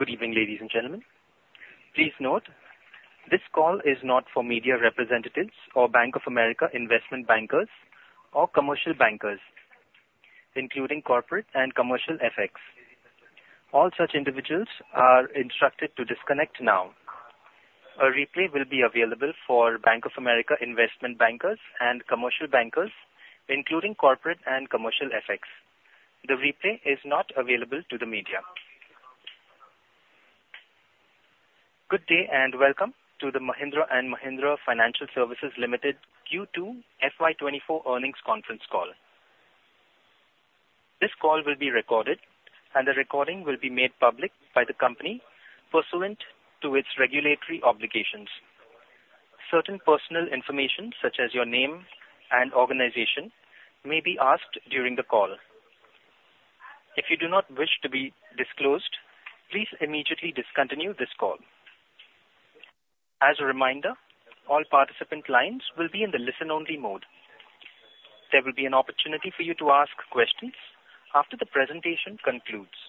Good evening, ladies and gentlemen. Please note, this call is not for media representatives or Bank of America investment bankers or commercial bankers, including corporate and commercial FX. All such individuals are instructed to disconnect now. A replay will be available for Bank of America investment bankers and commercial bankers, including corporate and commercial FX. The replay is not available to the media. Good day, and welcome to the Mahindra & Mahindra Financial Services Limited Q2 FY 2024 earnings conference call. This call will be recorded, and the recording will be made public by the company pursuant to its regulatory obligations. Certain personal information, such as your name and organization, may be asked during the call. If you do not wish to be disclosed, please immediately discontinue this call. As a reminder, all participant lines will be in the listen-only mode. There will be an opportunity for you to ask questions after the presentation concludes.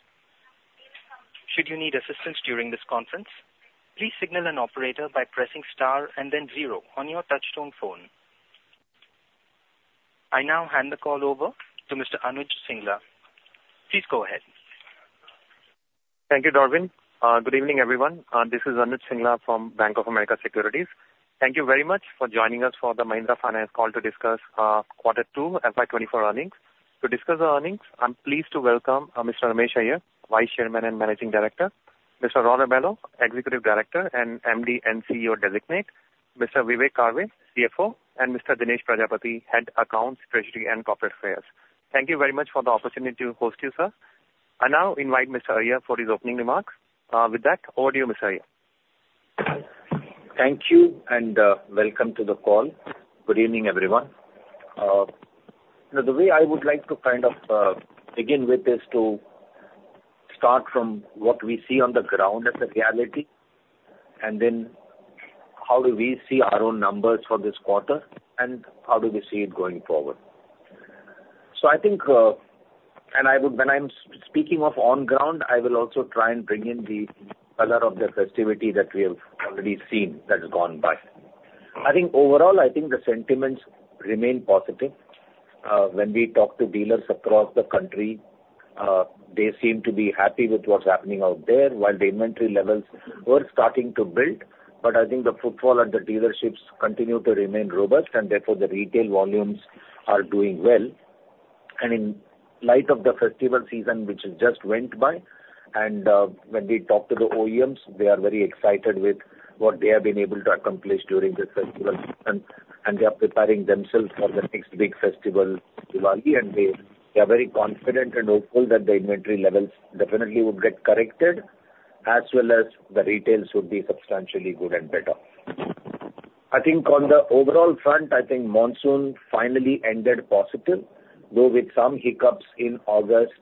Should you need assistance during this conference, please signal an operator by pressing star and then zero on your touchtone phone. I now hand the call over to Mr. Anuj Singla. Please go ahead. Thank you, Darwin. Good evening, everyone. This is Anuj Singla from Bank of America Securities. Thank you very much for joining us for the Mahindra Finance call to discuss Q2 FY 2024 earnings. To discuss the earnings, I'm pleased to welcome Mr. Ramesh Iyer, Vice Chairman and Managing Director, Mr. Raul Rebello, Executive Director, and MD and CEO Designate, Mr. Vivek Karve, CFO, and Mr. Dinesh Prajapati, Head Accounts, Treasury, and Corporate Affairs. Thank you very much for the opportunity to host you, sir. I now invite Mr. Iyer for his opening remarks. With that, over to you, Mr. Iyer. Thank you, and welcome to the call. Good evening, everyone. The way I would like to kind of begin with is to start from what we see on the ground as a reality, and then how do we see our own numbers for this quarter, and how do we see it going forward? So I think, and I would, when I'm speaking of on ground, I will also try and bring in the color of the festivity that we have already seen, that has gone by. I think overall, I think the sentiments remain positive. When we talk to dealers across the country, they seem to be happy with what's happening out there, while the inventory levels were starting to build. But I think the footfall at the dealerships continue to remain robust, and therefore, the retail volumes are doing well. In light of the festival season, which just went by, and when we talk to the OEMs, they are very excited with what they have been able to accomplish during this festival season, and they are preparing themselves for the next big festival, Diwali, and they are very confident and hopeful that the inventory levels definitely would get corrected, as well as the retails would be substantially good and better. I think on the overall front, I think monsoon finally ended positive, though with some hiccups in August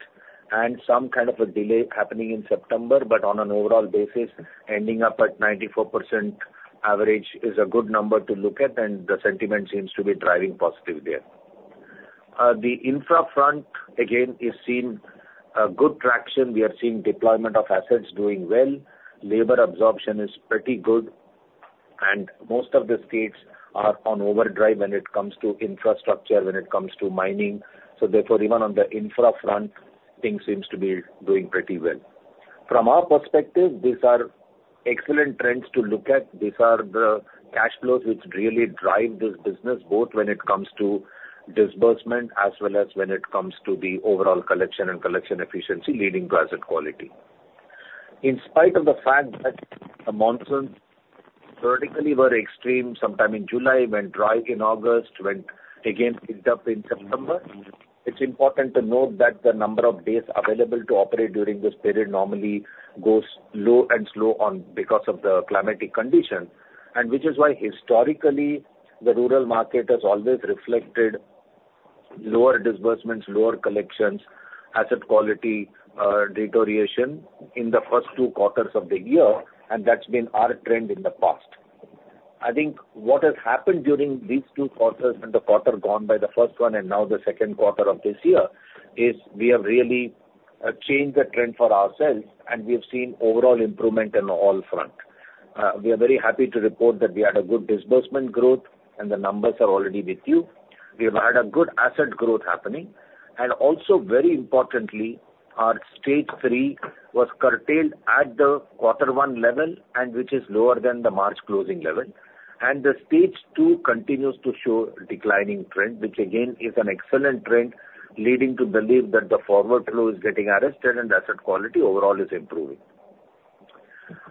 and some kind of a delay happening in September. But on an overall basis, ending up at 94% average is a good number to look at, and the sentiment seems to be driving positive there. The infra front, again, is seeing good traction. We are seeing deployment of assets doing well. Labor absorption is pretty good, and most of the states are on overdrive when it comes to infrastructure, when it comes to mining. So therefore, even on the infra front, things seems to be doing pretty well. From our perspective, these are excellent trends to look at. These are the cash flows which really drive this business, both when it comes to disbursement as well as when it comes to the overall collection and collection efficiency leading to asset quality. In spite of the fact that the monsoons vertically were extreme, sometime in July, went dry in August, went again, picked up in September, it's important to note that the number of days available to operate during this period normally goes low and slow on because of the climatic conditions. Which is why, historically, the rural market has always reflected lower disbursements, lower collections, asset quality deterioration in the first two quarters of the year, and that's been our trend in the past. I think what has happened during these two quarters, and the quarter gone by the first one and now the second quarter of this year, is we have really changed the trend for ourselves, and we have seen overall improvement in all front. We are very happy to report that we had a good disbursement growth, and the numbers are already with you. We have had a good asset growth happening. And also very importantly, our stage 3 was curtailed at the quarter one level and which is lower than the March closing level. And the stage 2 continues to show a declining trend, which again, is an excellent trend, leading to believe that the forward flow is getting arrested and asset quality overall is improving.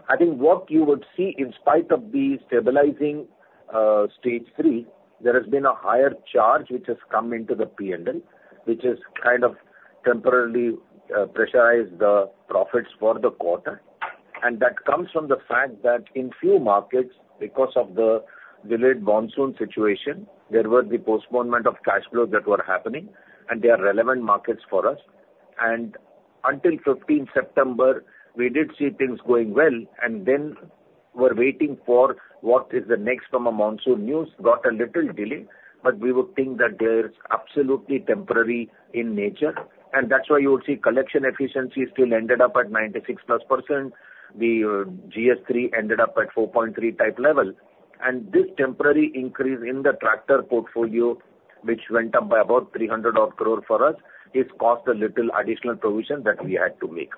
I think what you would see, in spite of the stabilizing, stage 3, there has been a higher charge which has come into the P&L, which has kind of temporarily, pressurized the profits for the quarter. And that comes from the fact that in few markets, because of the delayed monsoon situation, there were the postponement of cash flows that were happening, and they are relevant markets for us. And until fifteenth September, we did see things going well, and then were waiting for what is the next from a monsoon news, got a little delay, but we would think that they are absolutely temporary in nature, and that's why you will see collection efficiency still ended up at 96%+. The GS3 ended up at 4.3 type level, and this temporary increase in the tractor portfolio, which went up by about 300 crore for us, is cost a little additional provision that we had to make.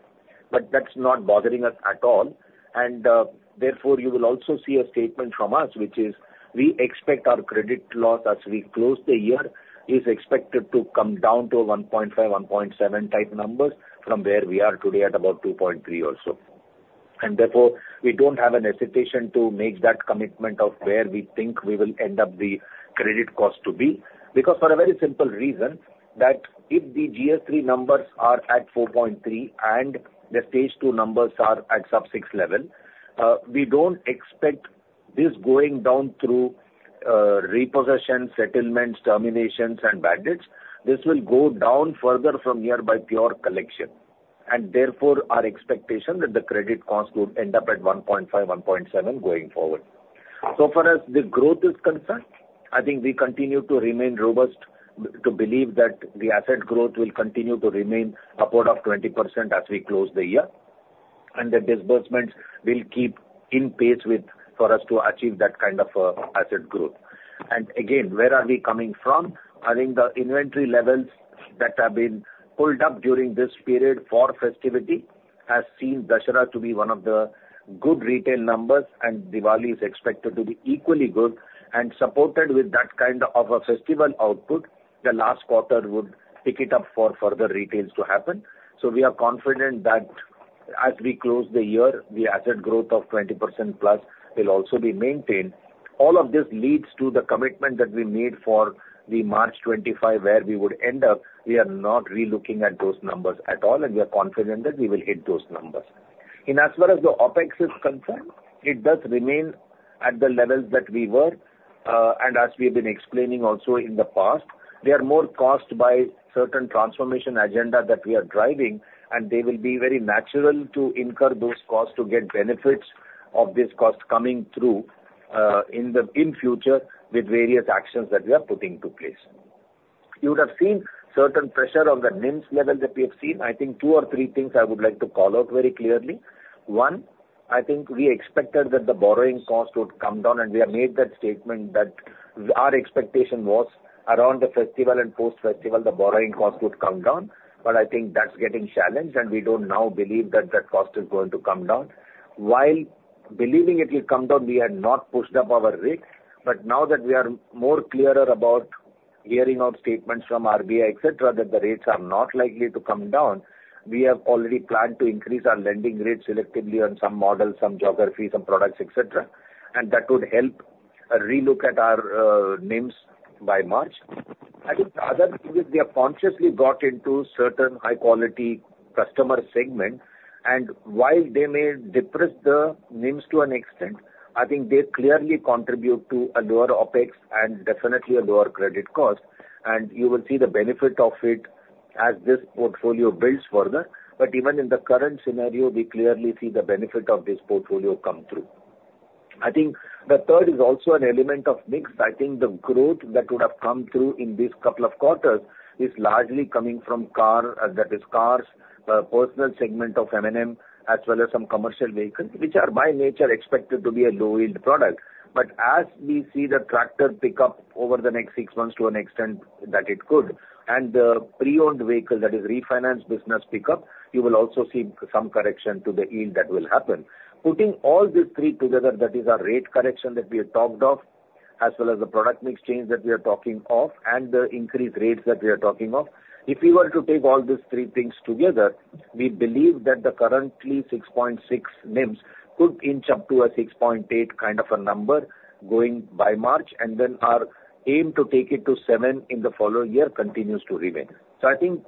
But that's not bothering us at all, and therefore, you will also see a statement from us, which is we expect our credit loss as we close the year, is expected to come down to 1.5-1.7 type numbers from where we are today at about 2.3 or so. Therefore, we don't have an hesitation to make that commitment of where we think we will end up the credit cost to be. Because for a very simple reason, that if the GS3 numbers are at 4.3 and the stage two numbers are at sub-six level, we don't expect this going down through repossession, settlements, terminations and bad debts. This will go down further from here by pure collection, and therefore, our expectation that the credit cost would end up at 1.5-1.7, going forward. So for us, the growth is concerned, I think we continue to remain robust, to believe that the asset growth will continue to remain upward of 20% as we close the year, and the disbursements will keep in pace with, for us to achieve that kind of asset growth. Again, where are we coming from? I think the inventory levels that have been pulled up during this period for festivity, has seen Dussehra to be one of the good retail numbers, and Diwali is expected to be equally good. Supported with that kind of a festival output, the last quarter would pick it up for further retails to happen. We are confident that as we close the year, the asset growth of 20%+ will also be maintained. All of this leads to the commitment that we made for the March 2025, where we would end up. We are not relooking at those numbers at all, and we are confident that we will hit those numbers. As far as the OpEx is concerned, it does remain at the levels that we were, and as we have been explaining also in the past, they are more caused by certain transformation agenda that we are driving, and they will be very natural to incur those costs to get benefits of this cost coming through, in the future with various actions that we are putting to place. You would have seen certain pressure on the NIMs level that we have seen. I think two or three things I would like to call out very clearly. One, I think we expected that the borrowing cost would come down, and we have made that statement that our expectation was around the festival and post-festival, the borrowing cost would come down, but I think that's getting challenged, and we don't now believe that the cost is going to come down. While believing it will come down, we had not pushed up our rates, but now that we are more clearer about hearing out statements from RBI, et cetera, that the rates are not likely to come down, we have already planned to increase our lending rates selectively on some models, some geographies, some products, et cetera, and that would help relook at our NIMs by March. I think the other things, we have consciously got into certain high quality customer segments, and while they may depress the NIMs to an extent, I think they clearly contribute to a lower OpEx and definitely a lower credit cost, and you will see the benefit of it as this portfolio builds further. But even in the current scenario, we clearly see the benefit of this portfolio come through. I think the third is also an element of mix. I think the growth that would have come through in this couple of quarters is largely coming from car, that is, cars, personal segment of M&M, as well as some commercial vehicles, which are by nature expected to be a low-yield product. But as we see the tractor pick up over the next six months to an extent that it could, and the pre-owned vehicle, that is refinance business pick up, you will also see some correction to the yield that will happen. Putting all these three together, that is our rate correction that we have talked of, as well as the product mix change that we are talking of, and the increased rates that we are talking of. If we were to take all these three things together, we believe that the current 6.6 NIMs could inch up to a 6.8 kind of a number going by March, and then our aim to take it to seven in the following year continues to remain. So I think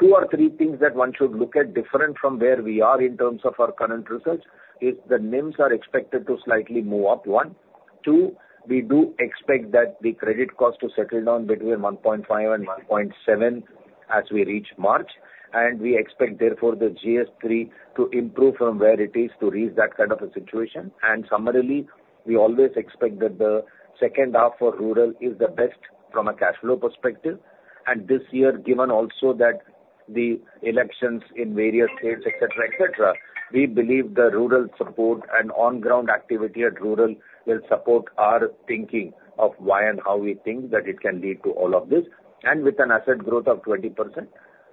two or three things that one should look at different from where we are in terms of our current results, is the NIMs are expected to slightly move up, one. Two, we do expect that the credit cost to settle down between 1.5 and 1.7 as we reach March, and we expect, therefore, the GS3 to improve from where it is to reach that kind of a situation. And summarily, we always expect that the second half of rural is the best from a cash flow perspective. And this year, given also that the elections in various states, et cetera, et cetera, we believe the rural support and on-ground activity at rural will support our thinking of why and how we think that it can lead to all of this. With an asset growth of 20%,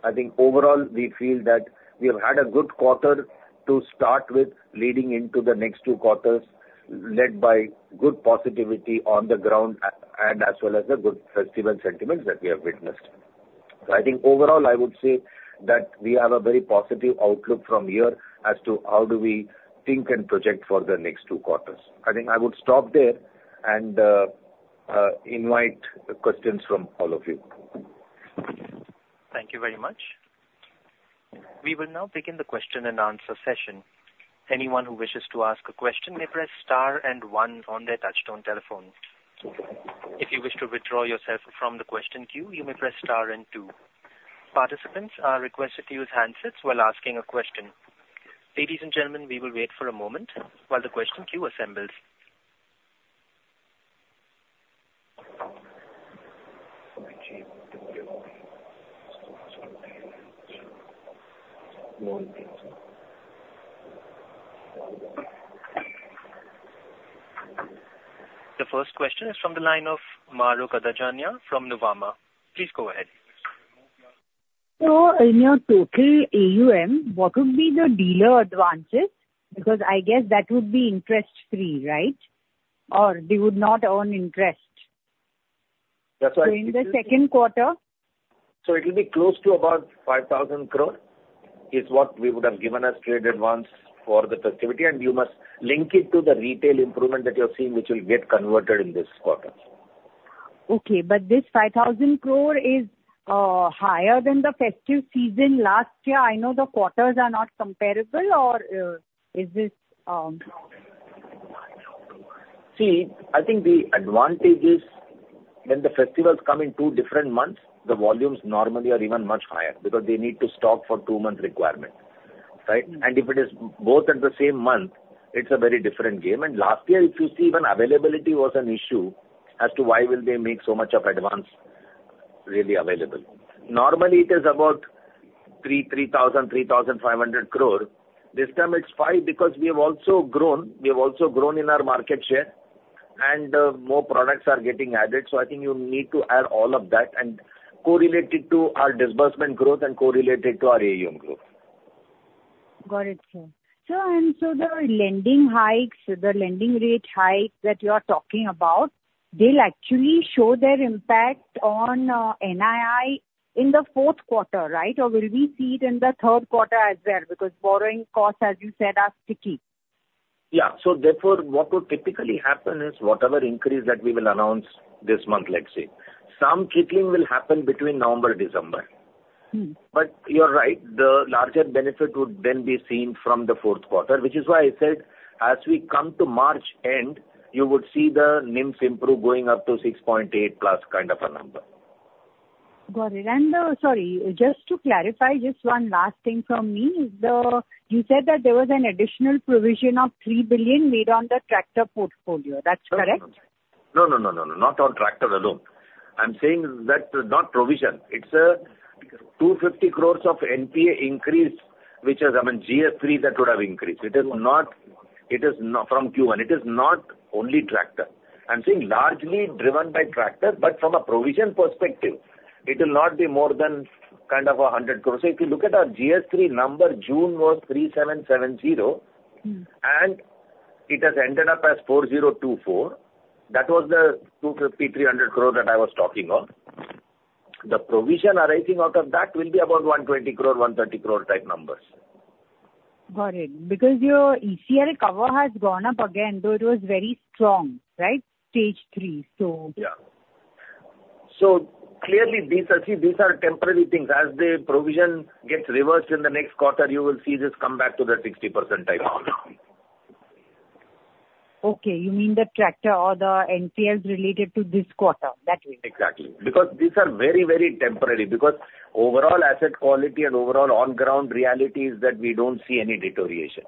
I think overall, we feel that we have had a good quarter to start with, leading into the next two quarters, led by good positivity on the ground and as well as the good festival sentiments that we have witnessed. I think overall, I would say that we have a very positive outlook from here as to how do we think and project for the next two quarters. I think I would stop there and invite questions from all of you. Thank you very much. We will now begin the question-and-answer session. Anyone who wishes to ask a question may press star and one on their touchtone telephone. If you wish to withdraw yourself from the question queue, you may press star and two. Participants are requested to use handsets while asking a question. Ladies and gentlemen, we will wait for a moment while the question queue assembles. The first question is from the line of Mahrukh Adajania from Nuvama. Please go ahead. In your total AUM, what would be the dealer advances? Because I guess that would be interest free, right? Or they would not earn interest. That's why- So in the second quarter? It will be close to about 5,000 crore, is what we would have given as trade advance for the festivity, and you must link it to the retail improvement that you're seeing, which will get converted in this quarter. Okay, but this 5,000 crore is higher than the festive season last year. I know the quarters are not comparable or is this? See, I think the advantage is when the festivals come in two different months, the volumes normally are even much higher because they need to stock for two months requirement, right? And if it is both at the same month, it's a very different game. And last year, if you see, even availability was an issue as to why will they make so much of advance really available. Normally, it is about 3,000-3,500 crore. This time it's 5,000 crore, because we have also grown, we have also grown in our market share, and more products are getting added. So I think you need to add all of that and correlate it to our disbursement growth and correlate it to our AUM growth. Got it, sir. Sir, and so the lending hikes, the lending rate hikes that you are talking about, they'll actually show their impact on, NII in the fourth quarter, right? Or will we see it in the third quarter as well? Because borrowing costs, as you said, are sticky. Yeah. So therefore, what would typically happen is, whatever increase that we will announce this month, let's say, some trickling will happen between November, December. Mm. But you're right, the larger benefit would then be seen from the fourth quarter, which is why I said as we come to March end, you would see the NIMs improve going up to 6.8+ kind of a number. Got it. And, sorry, just to clarify, just one last thing from me is the... You said that there was an additional provision of 3 billion made on the tractor portfolio. That's correct? No, no, no, no, no, not on tractor alone. I'm saying that not provision, it's 250 crore of NPA increase, which is, I mean, GS3 that would have increased. It is not, it is not from Q1, it is not only tractor. I'm saying largely driven by tractor, but from a provision perspective, it will not be more than kind of 100 crore. So if you look at our GS3 number, June was 3,770 crore- Mm. It has ended up as 4,024 crore. That was the 250 crore, 300 crore that I was talking of. The provision arising out of that will be about 120 crore-130 crore type numbers. Got it. Because your ECL cover has gone up again, though it was very strong, right? Stage three, so. Yeah. So clearly, these are, see, these are temporary things. As the provision gets reversed in the next quarter, you will see this come back to the 60% type number. Okay. You mean the tractor or the NPLs related to this quarter? That means. Exactly. Because these are very, very temporary, because overall asset quality and overall on ground reality is that we don't see any deterioration.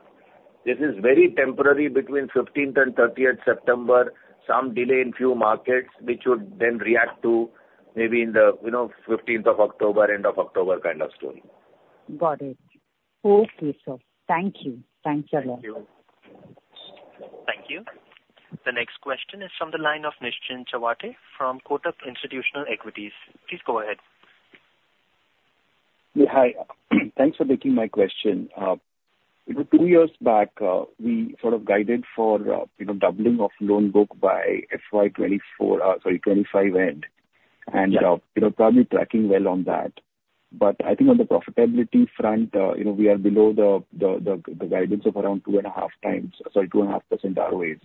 This is very temporary between 15th and 30th September, some delay in few markets, which would then react to maybe in the, you know, 15th of October, end of October kind of story. Got it. Okay, sir. Thank you. Thanks a lot. Thank you. Thank you. The next question is from the line of Nischint Chawathe from Kotak Institutional Equities. Please go ahead. Yeah, hi. Thanks for taking my question. Two years back, we sort of guided for, you know, doubling of loan book by FY 2024, sorry, 2025 end, and- Yeah. You know, probably tracking well on that. But I think on the profitability front, you know, we are below the guidance of around 2.5 times, sorry, 2.5% ROAs.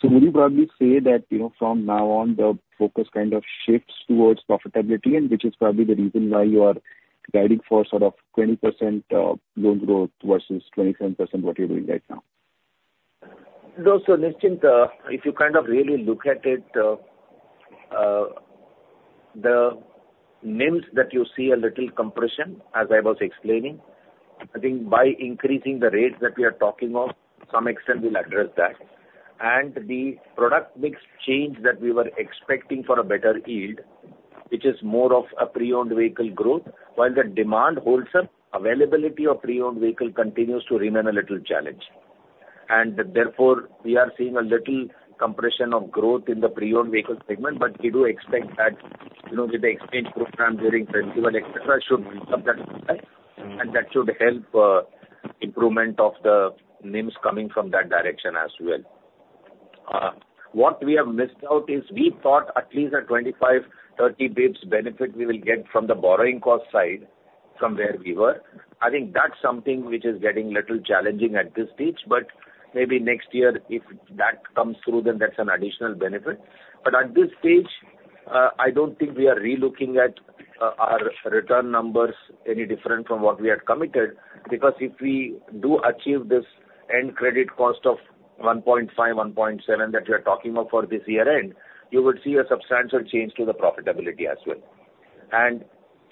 So would you probably say that, you know, from now on, the focus kind of shifts towards profitability, and which is probably the reason why you are guiding for sort of 20% loan growth versus 27%, what you're doing right now? So, Nischint, if you kind of really look at it, the NIMs that you see a little compression, as I was explaining, I think by increasing the rates that we are talking of, to some extent we'll address that. And the product mix change that we were expecting for a better yield, which is more of a pre-owned vehicle growth, while the demand holds up, availability of pre-owned vehicle continues to remain a little challenge. And therefore, we are seeing a little compression of growth in the pre-owned vehicle segment. But we do expect that, you know, with the exchange program during festival et cetera, should wake up that, and that should help, improvement of the NIMs coming from that direction as well. What we have missed out is, we thought at least a 25, 30 basis points benefit we will get from the borrowing cost side from where we were. I think that's something which is getting a little challenging at this stage, maybe next year, if that comes through, then that's an additional benefit. At this stage, I don't think we are relooking at our return numbers any different from what we had committed, because if we do achieve this end credit cost of 1.5, 1.7 that we are talking about for this year end, you would see a substantial change to the profitability as well.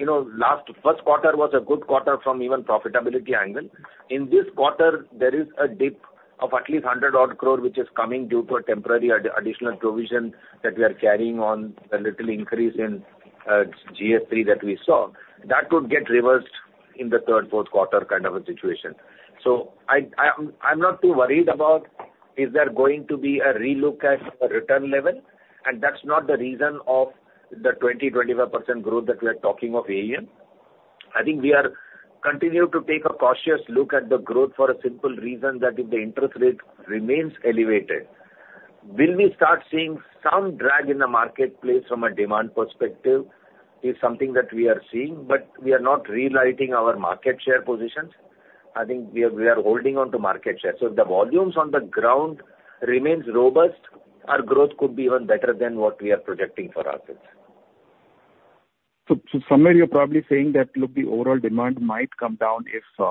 You know, last, first quarter was a good quarter from even profitability angle. In this quarter, there is a dip of at least 100 crore, which is coming due to a temporary additional provision that we are carrying on a little increase in GS3 that we saw. That would get reversed in the third, fourth quarter kind of a situation. I, I'm not too worried about is there going to be a relook at a return level, and that's not the reason of the 20%-25% growth that we are talking of AEN. I think we continue to take a cautious look at the growth for a simple reason, that if the interest rate remains elevated, will we start seeing some drag in the marketplace from a demand perspective? Is something that we are seeing, but we are not relighting our market share positions. I think we are, we are holding on to market share. So if the volumes on the ground remains robust, our growth could be even better than what we are projecting for ourselves. So, somewhere you're probably saying that, look, the overall demand might come down if, you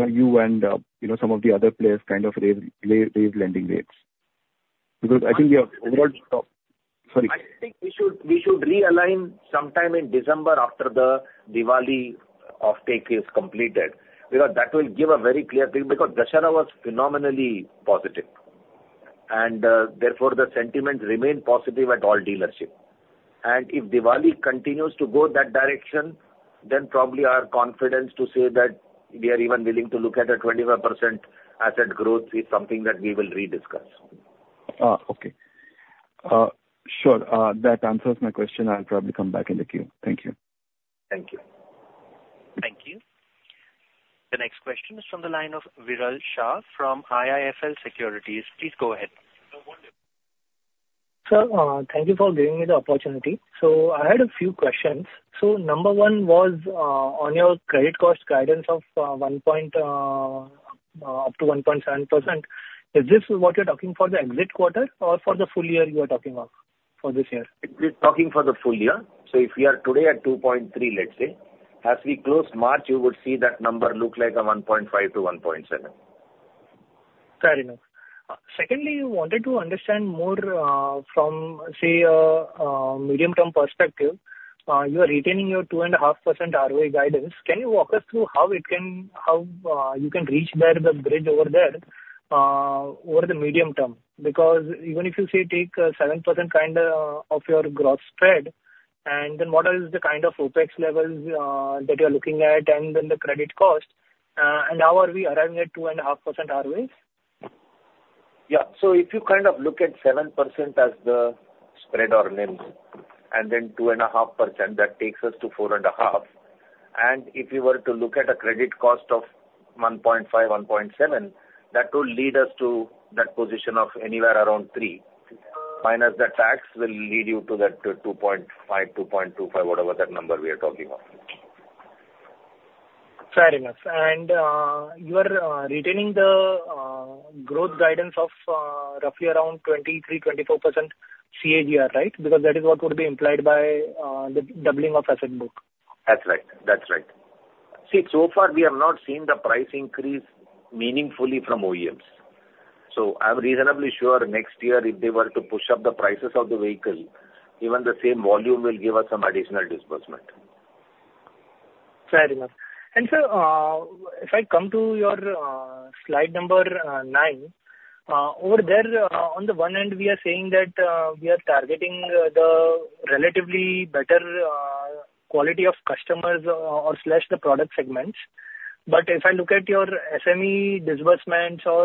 know, you and, you know, some of the other players kind of raise lending rates. Because I think your overall... Sorry. I think we should realign sometime in December after the Diwali offtake is completed, because that will give a very clear picture, because Dussehra was phenomenally positive. And, therefore, the sentiment remained positive at all dealerships. And if Diwali continues to go that direction, then probably our confidence to say that we are even willing to look at a 25% asset growth is something that we will re-discuss. Okay. Sure, that answers my question. I'll probably come back in the queue. Thank you. Thank you. Thank you. The next question is from the line of Viral Shah from IIFL Securities. Please go ahead. Sir, thank you for giving me the opportunity. So I had a few questions. So number 1 was, on your credit cost guidance of 1% up to 1.7%. Is this what you're talking for the exit quarter or for the full year you are talking of for this year? We're talking for the full year. So if we are today at 2.3, let's say, as we close March, you would see that number look like a 1.5-1.7. Fair enough. Secondly, I wanted to understand more from, say, a medium-term perspective. You are retaining your 2.5% ROA guidance. Can you walk us through how it can... how you can reach there, the bridge over there, over the medium term? Because even if you say take 7% kind of of your gross spread, and then what is the kind of OpEx levels that you're looking at, and then the credit cost, and how are we arriving at 2.5% ROAs? Yeah. So if you kind of look at 7% as the spread or NIM, and then 2.5%, that takes us to 4.5. And if you were to look at a credit cost of 1.5, 1.7, that would lead us to that position of anywhere around three, minus the tax will lead you to that 2.5, 2.25, whatever that number we are talking of. Fair enough. And, you are retaining the growth guidance of roughly around 23%-24% CAGR, right? Because that is what would be implied by the doubling of asset book. That's right. That's right. See, so far we have not seen the price increase meaningfully from OEMs. So I'm reasonably sure next year, if they were to push up the prices of the vehicle, even the same volume will give us some additional disbursement. Fair enough. And sir, if I come to your slide number nine, over there, on the one hand, we are saying that we are targeting the relatively better quality of customers or slash the product segments. But if I look at your SME disbursements or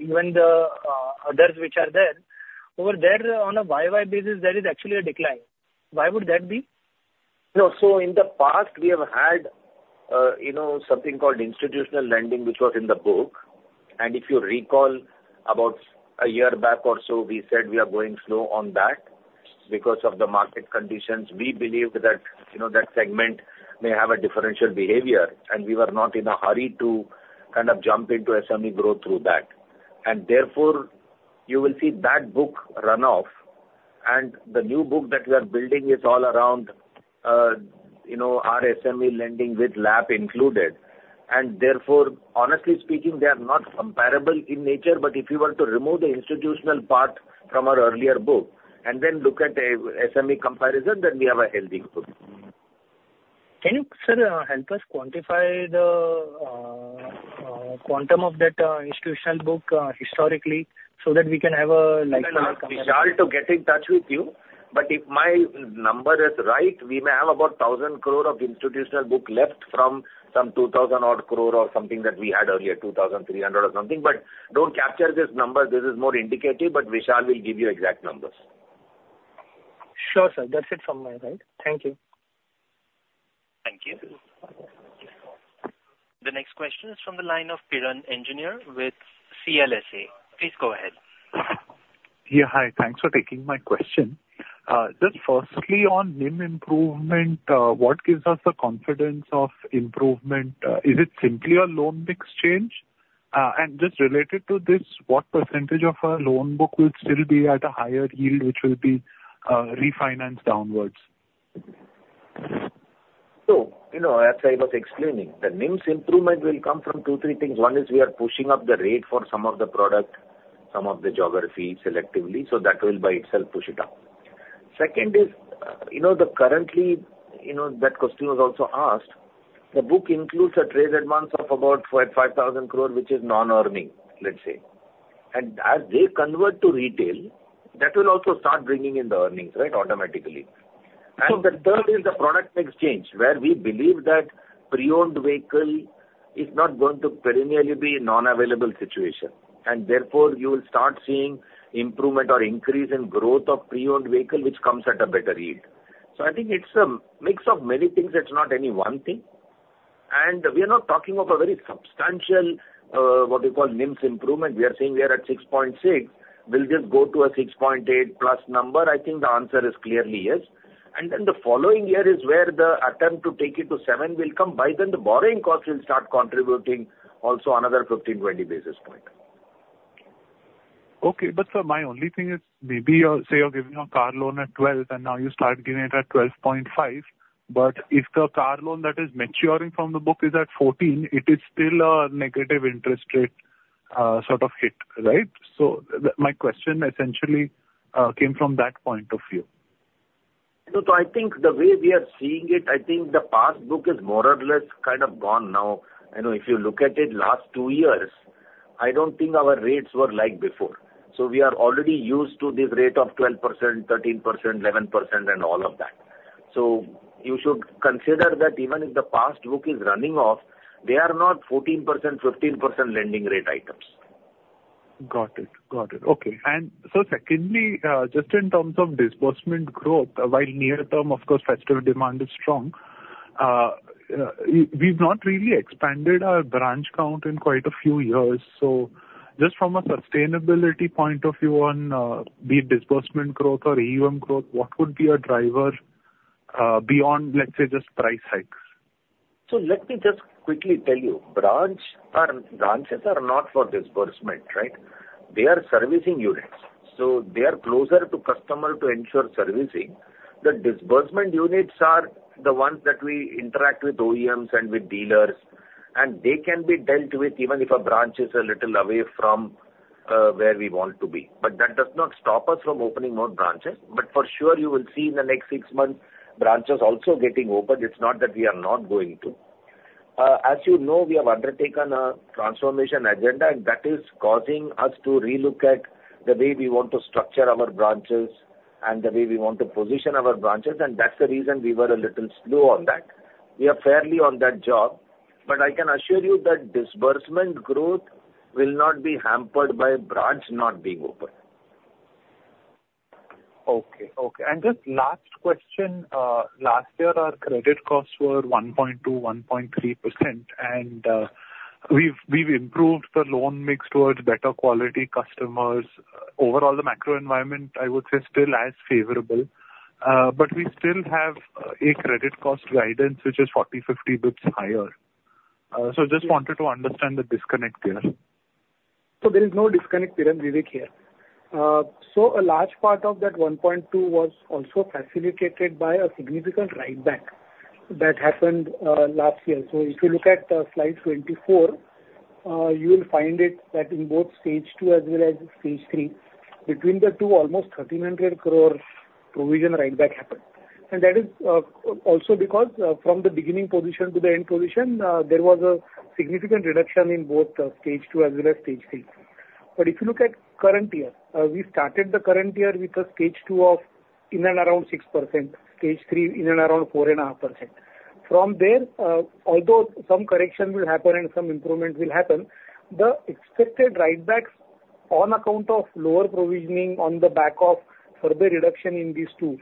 even the others which are there, over there on a YY basis, there is actually a decline. Why would that be? No, so in the past we have had, you know, something called institutional lending, which was in the book. And if you recall, about a year back or so, we said we are going slow on that because of the market conditions. We believe that, you know, that segment may have a differential behavior, and we were not in a hurry to kind of jump into SME growth through that. And therefore, you will see that book run off, and the new book that we are building is all around, you know, our SME lending with LAP included. And therefore, honestly speaking, they are not comparable in nature, but if you were to remove the institutional part from our earlier book and then look at a SME comparison, then we have a healthy book. Can you, sir, help us quantify the quantum of that institutional book historically, so that we can have a like-for-like comparison? Vishal to get in touch with you. But if my number is right, we may have about 1,000 crore of institutional book left from some 2,000-odd crore or something that we had earlier, 2,300 or something, but don't capture this number. This is more indicative, but Vishal will give you exact numbers. Sure, sir. That's it from my side. Thank you. Thank you. The next question is from the line of Piran Engineer with CLSA. Please go ahead. Yeah, hi. Thanks for taking my question. Just firstly, on NIM improvement, what gives us the confidence of improvement? Is it simply a loan mix change?... and just related to this, what percentage of our loan book will still be at a higher yield, which will be, refinanced downwards? So, you know, as I was explaining, the NIMs improvement will come from two, three things. One is we are pushing up the rate for some of the product, some of the geography selectively, so that will by itself push it up. Second is, you know, the currently, you know, that customer has also asked, the book includes a trade advance of about 55,000 crore, which is non-earning, let's say. And as they convert to retail, that will also start bringing in the earnings, right, automatically. And the third is the product exchange, where we believe that pre-owned vehicle is not going to perennially be a non-available situation, and therefore, you will start seeing improvement or increase in growth of pre-owned vehicle, which comes at a better yield. So I think it's a mix of many things, it's not any one thing. We are not talking of a very substantial, what you call, NIMs improvement. We are saying we are at 6.6, we'll just go to a 6.8+ number. I think the answer is clearly yes. And then the following year is where the attempt to take it to seven will come. By then, the borrowing cost will start contributing also another 15-20 basis points. Okay. But sir, my only thing is, maybe you're, say, you're giving a car loan at 12, and now you start giving it at 12.5, but if the car loan that is maturing from the book is at 14, it is still a negative interest rate sort of hit, right? So, my question essentially came from that point of view. So I think the way we are seeing it, I think the past book is more or less kind of gone now, and if you look at it last two years, I don't think our rates were like before. So we are already used to this rate of 12%, 13%, 11% and all of that. So you should consider that even if the past book is running off, they are not 14%, 15% lending rate items. Got it. Got it. Okay. And so secondly, just in terms of disbursement growth, while near term, of course, festival demand is strong, we've not really expanded our branch count in quite a few years. So just from a sustainability point of view on, be it disbursement growth or AUM growth, what would be a driver, beyond, let's say, just price hikes? So let me just quickly tell you. Branches are not for disbursement, right? They are servicing units, so they are closer to customer to ensure servicing. The disbursement units are the ones that we interact with OEMs and with dealers, and they can be dealt with even if a branch is a little away from where we want to be. But that does not stop us from opening more branches. But for sure, you will see in the next six months, branches also getting opened. It's not that we are not going to. As you know, we have undertaken a transformation agenda, and that is causing us to relook at the way we want to structure our branches and the way we want to position our branches, and that's the reason we were a little slow on that. We are fairly on that job, but I can assure you that disbursement growth will not be hampered by branches not being open. Okay, okay. And just last question, last year, our credit costs were 1.2%-1.3%, and we've improved the loan mix towards better quality customers. Overall, the macro environment, I would say, is still as favorable, but we still have a credit cost guidance which is 40-50 basis points higher. So just wanted to understand the disconnect there. So there is no disconnect, Piran, Vivek, here. So a large part of that 1.2 was also facilitated by a significant writeback that happened last year. So if you look at slide 24, you will find it that in both stage two as well as stage three, between the two, almost 1,300 crore provision writeback happened. And that is also because from the beginning position to the end position there was a significant reduction in both stage two as well as stage three. But if you look at current year, we started the current year with a stage two of in and around 6%, stage three in and around 4.5%. From there, although some correction will happen and some improvements will happen, the expected write backs on account of lower provisioning on the back of further reduction in these two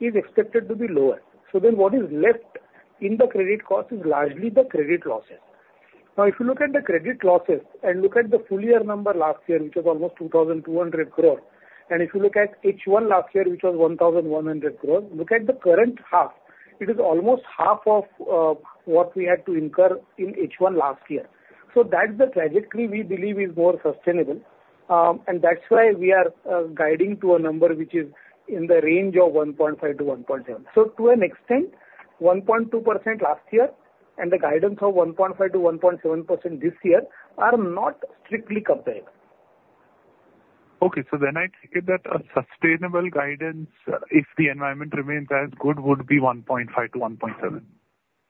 is expected to be lower. So then what is left in the credit cost is largely the credit losses. Now, if you look at the credit losses and look at the full year number last year, which was almost 2,200 crore, and if you look at H1 last year, which was 1,100 crore, look at the current half, it is almost half of, what we had to incur in H1 last year. So that's the trajectory we believe is more sustainable, and that's why we are guiding to a number which is in the range of 1.5%-1.7%. To an extent, 1.2% last year and the guidance of 1.5%-1.7% this year are not strictly comparable. Okay, so then I take it that a sustainable guidance, if the environment remains as good, would be 1.5%-1.7%.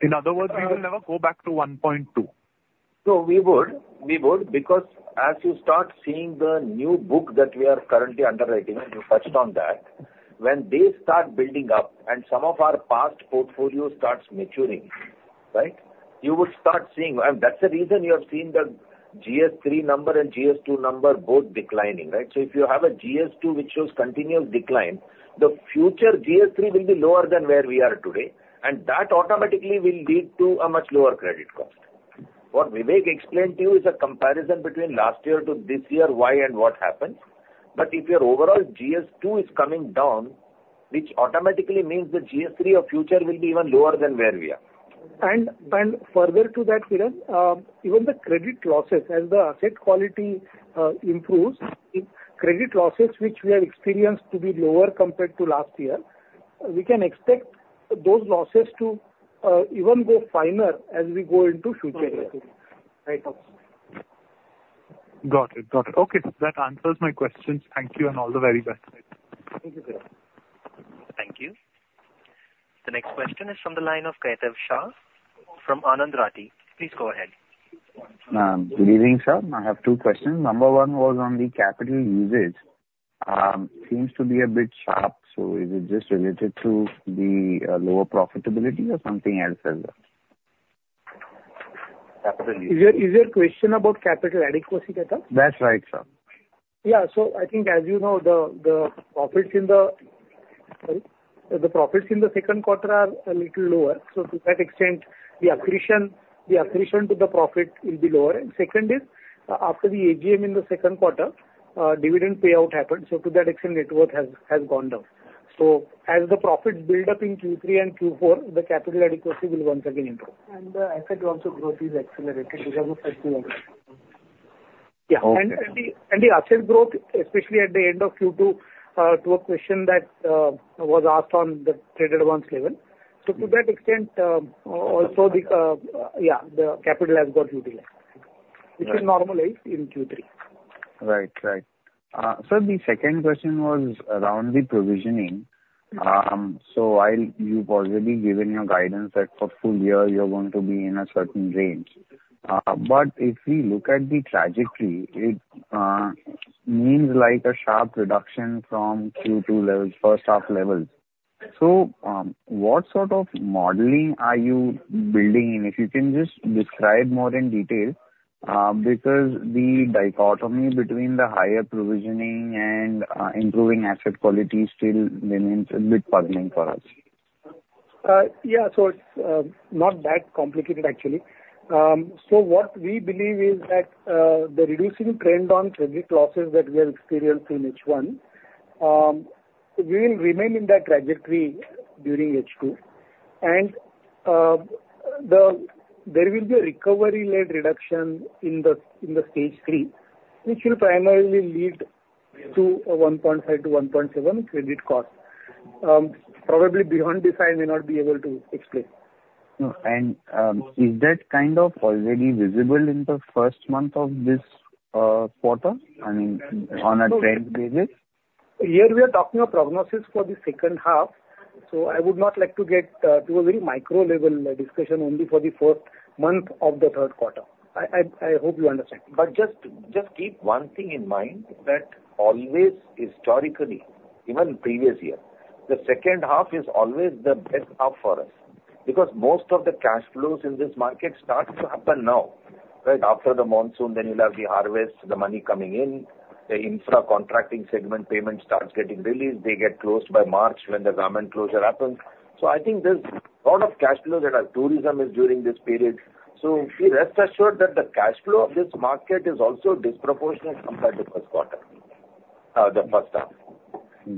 In other words, we will never go back to 1.2%. So we would, we would, because as you start seeing the new book that we are currently underwriting, and you touched on that, when they start building up and some of our past portfolio starts maturing, right? You will start seeing. And that's the reason you have seen the GS3 number and GS2 number both declining, right? So if you have a GS2 which shows continuous decline, the future GS3 will be lower than where we are today, and that automatically will lead to a much lower credit cost. What Vivek explained to you is a comparison between last year to this year, why and what happened. But if your overall GS2 is coming down, which automatically means the GS3 of future will be even lower than where we are. And, and further to that, Piran, even the credit losses, as the asset quality improves, credit losses, which we have experienced to be lower compared to last year, we can expect those losses to even go finer as we go into future years. Right. Got it. Got it. Okay, that answers my questions. Thank you, and all the very best. Thank you, sir. Thank you. The next question is from the line of Gaurav Sharma from Anand Rathi. Please go ahead. Good evening, sir. I have two questions. Number one was on the capital usage. Seems to be a bit sharp, so is it just related to the, lower profitability or something else as well? Is your question about capital adequacy, Gaurav? That's right, sir. Yeah. So I think, as you know, the profits in the second quarter are a little lower. So to that extent, the accretion to the profit will be lower. And second is, after the AGM in the second quarter, dividend payout happened, so to that extent, net worth has gone down. So as the profits build up in Q3 and Q4, the capital adequacy will once again improve. And the asset also growth is accelerating because of Q1. Yeah. Okay. The asset growth, especially at the end of Q2, to a question that was asked on the traded bonds level. So to that extent, yeah, the capital has got utilized, which will normalize in Q3. Right. Right. Sir, the second question was around the provisioning. So while you've already given your guidance that for full year you're going to be in a certain range, but if we look at the trajectory, it means like a sharp reduction from Q2 levels, first half levels. So, what sort of modeling are you building in? If you can just describe more in detail, because the dichotomy between the higher provisioning and improving asset quality still remains a bit puzzling for us. Yeah, so it's not that complicated, actually. So what we believe is that the reducing trend on credit losses that we have experienced in H1 will remain in that trajectory during H2. And there will be a recovery-led reduction in the stage three, which will primarily lead to a 1.5%-1.7% credit cost. Probably beyond this, I may not be able to explain. No. And, is that kind of already visible in the first month of this quarter, I mean, on a trend basis? Here, we are talking of prognosis for the second half, so I would not like to get to a very micro level discussion only for the first month of the third quarter. I hope you understand. But just, just keep one thing in mind, that always, historically, even previous year, the second half is always the best half for us, because most of the cash flows in this market starts to happen now, right after the monsoon, then you'll have the harvest, the money coming in, the infra contracting segment, payment starts getting released. They get closed by March when the government closure happens. So I think there's a lot of cash flows, and our tourism is during this period. So be rest assured that the cash flow of this market is also disproportionate compared to first quarter, the first half.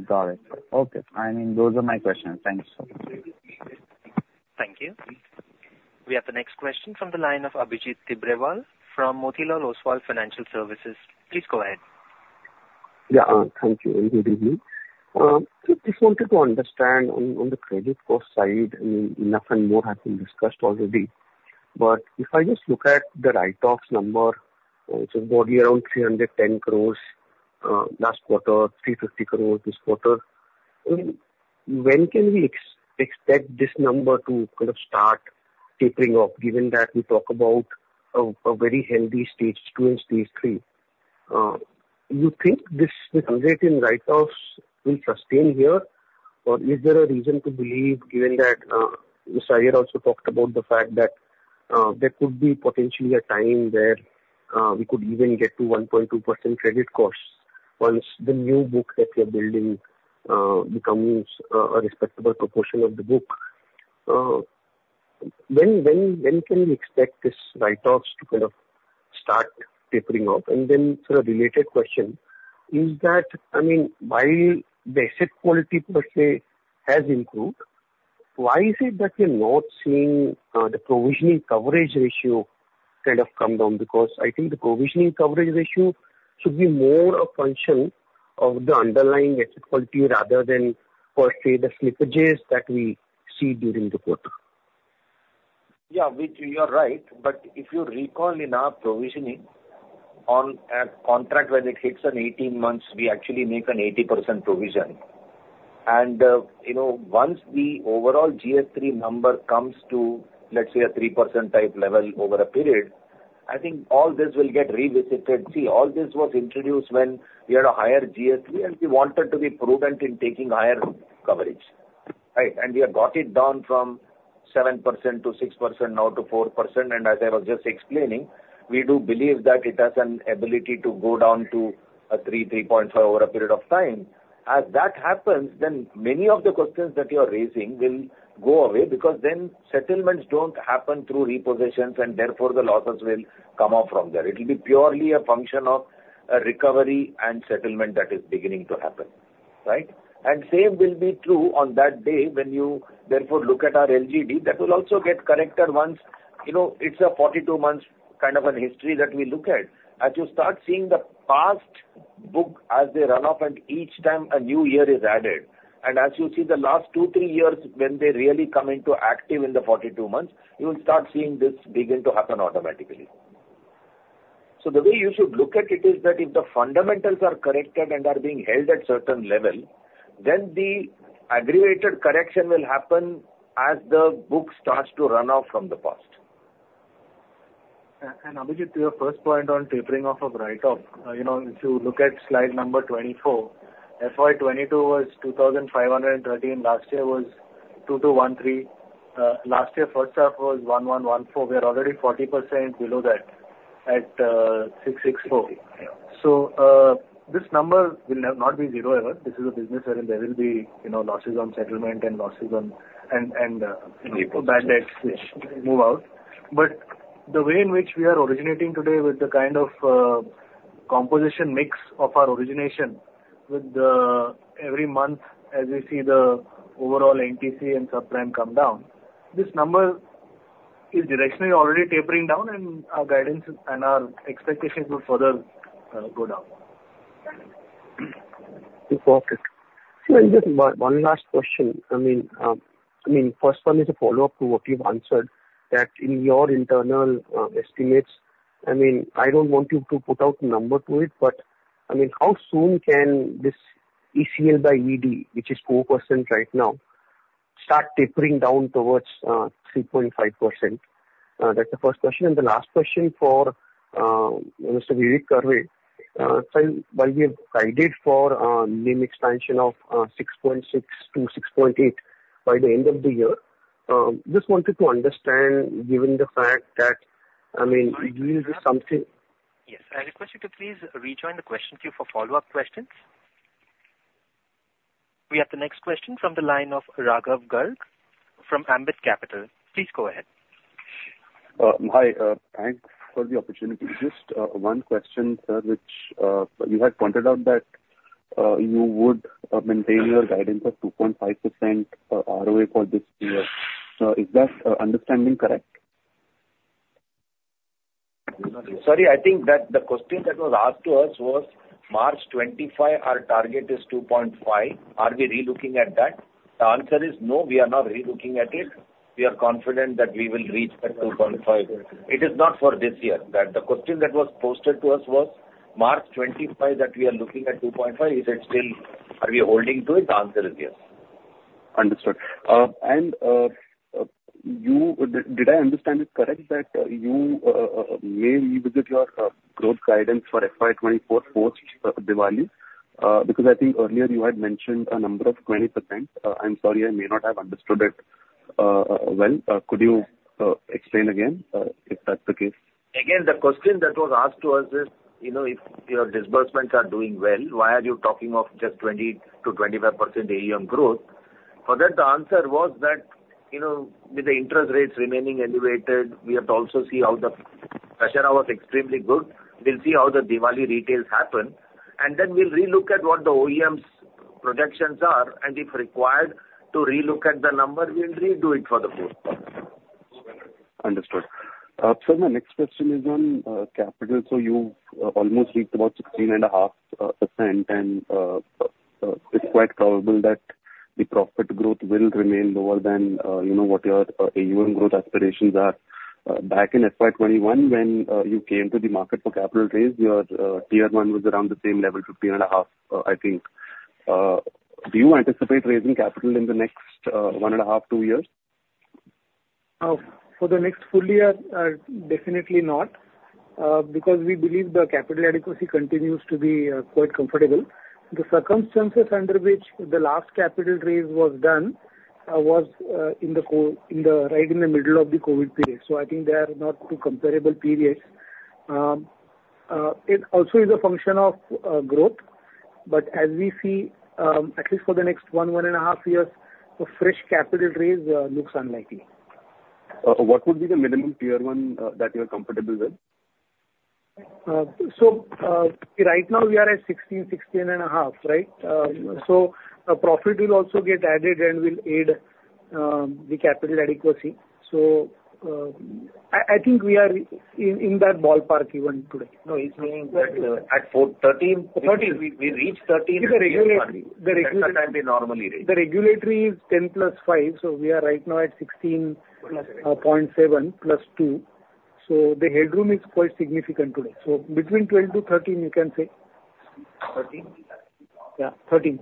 Got it. Okay. I mean, those are my questions. Thanks. Thank you. We have the next question from the line of Abhijit Tibrewal from Motilal Oswal Financial Services. Please go ahead. Yeah, thank you. Good evening. Just wanted to understand on, on the credit cost side, I mean, enough and more has been discussed already, but if I just look at the write-offs number, it's broadly around 310 crore, last quarter, 350 crore this quarter. When can we expect this number to kind of start tapering off, given that we talk about a very healthy stage two and stage three? You think this, the trends in write-offs will sustain here, or is there a reason to believe, given that, Sir also talked about the fact that, there could be potentially a time where, we could even get to 1.2% credit costs once the new book that we are building, becomes a respectable proportion of the book. When can we expect these write-offs to kind of start tapering off? And then for a related question, is that, I mean, while the asset quality per se has improved, why is it that we're not seeing the provision coverage ratio kind of come down? Because I think the provision coverage ratio should be more a function of the underlying asset quality, rather than per se, the slippages that we see during the quarter. Yeah, you are right, but if you recall, in our provisioning on a contract, when it hits 18 months, we actually make an 80% provision. And, you know, once the overall GS3 number comes to, let's say, a 3% type level over a period, I think all this will get revisited. See, all this was introduced when we had a higher GS3, and we wanted to be prudent in taking higher coverage. Right? And we have got it down from 7%-6%, now to 4%, and as I was just explaining, we do believe that it has an ability to go down to 3%-3.5% over a period of time. As that happens, then many of the questions that you are raising will go away, because then settlements don't happen through repossessions, and therefore, the losses will come off from there. It'll be purely a function of a recovery and settlement that is beginning to happen… Right? And same will be true on that day when you, therefore, look at our LGD, that will also get corrected once, you know, it's a 42 months kind of a history that we look at. As you start seeing the past book as they run off, and each time a new year is added, and as you see the last two, three years, when they really come into active in the 42 months, you will start seeing this begin to happen automatically. The way you should look at it is that if the fundamentals are corrected and are being held at certain level, then the aggravated correction will happen as the book starts to run off from the past. Abhijit, to your first point on tapering off of write-off, you know, if you look at slide number 24, FY 2022 was 2,513 million, last year was 2,213 million. Last year, first half was 1,114 million. We are already 40% below that at 664 million. This number will not be zero ever. This is a business where there will be, you know, losses on settlement and losses on... and bad debts which move out. But the way in which we are originating today with the kind of, you know, composition mix of our origination with every month, as we see the overall NTC and subprime come down, this number is directionally already tapering down, and our guidance and our expectations will further, you know, go down. Perfect. Sir, just one last question. I mean, first one is a follow-up to what you've answered, that in your internal, estimates, I mean, I don't want you to put out a number to it, but, I mean, how soon can this ECL by EAD, which is 4% right now, start tapering down towards, three point five percent? That's the first question. And the last question for, Mr. Vivek Karve. Sir, while we have guided for, NIM expansion of, 6.6%-6.8% by the end of the year, just wanted to understand, given the fact that, I mean, we will do something- Yes, I request you to please rejoin the question queue for follow-up questions. We have the next question from the line of Raghav Garg from Ambit Capital. Please go ahead. Hi, thanks for the opportunity. Just one question, sir, which you had pointed out that you would maintain your guidance of 2.5% ROA for this year. So is that understanding correct? Sorry, I think that the question that was asked to us was March 2025, our target is 2.5%. Are we relooking at that? The answer is no, we are not relooking at it. We are confident that we will reach that 2.5%. It is not for this year. That the question that was posted to us was, March 2025, that we are looking at 2.5%, is it still... Are we holding to it? The answer is yes. Understood. And, did I understand it correct, that you may revisit your growth guidance for FY 2024 post Diwali? Because I think earlier you had mentioned a number of 20%. I'm sorry, I may not have understood it well. Could you explain again, if that's the case? Again, the question that was asked to us is, you know, if your disbursements are doing well, why are you talking of just 20%-25% AUM growth? For that, the answer was that, you know, with the interest rates remaining elevated, we have to also see how the Dussehra was extremely good. We'll see how the Diwali retails happen, and then we'll relook at what the OEMs projections are, and if required to relook at the number, we'll redo it for the board. Understood. Sir, my next question is on capital. So you've almost reached about 16.5%, and it's quite probable that the profit growth will remain lower than, you know, what your AUM growth aspirations are. Back in FY 2021, when you came to the market for capital raise, your Tier 1 was around the same level, 15.5%, I think. Do you anticipate raising capital in the next 1.5-2 years? For the next full year, definitely not, because we believe the capital adequacy continues to be quite comfortable. The circumstances under which the last capital raise was done was right in the middle of the Covid period, so I think they are not too comparable periods. It also is a function of growth, but as we see, at least for the next 1-1.5 years, a fresh capital raise looks unlikely. What would be the minimum Tier 1 that you're comfortable with? So, right now we are at 16%-16.5%, right? So profit will also get added and will aid the capital adequacy. So, I think we are in that ballpark even today. No, he's meaning that, at 4... 13- Thirteen. We reach 13- The regulatory- That's the time we normally reach. The regulatory is 10 + 5, so we are right now at 16 + 0.7 + 2, so the headroom is quite significant today. So between 12-13, you can say. Thirteen? Yeah, thirteen.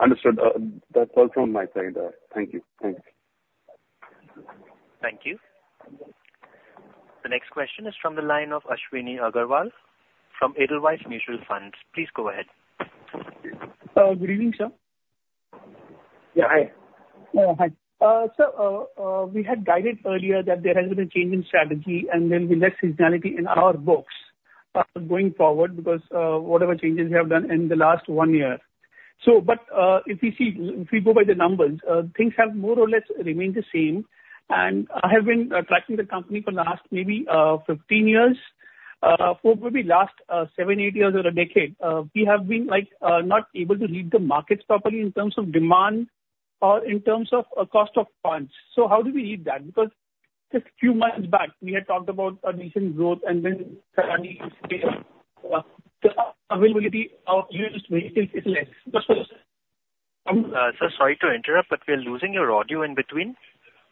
Understood. That's all from my side. Thank you. Thank you. Thank you. The next question is from the line of Ashwani Agarwal from Edelweiss Mutual Funds. Please go ahead. Good evening, sir. Yeah, hi. Hi. Sir, we had guided earlier that there has been a change in strategy and there will be less seasonality in our books going forward because whatever changes we have done in the last one year. So, but if we see, if we go by the numbers, things have more or less remained the same, and I have been tracking the company for the last maybe 15 years... for maybe last 7, 8 years or a decade, we have been like not able to read the markets properly in terms of demand or in terms of cost of funds. So how do we read that? Because just few months back, we had talked about a decent growth and then suddenly the availability of used vehicles is less. Sir, sorry to interrupt, but we are losing your audio in between.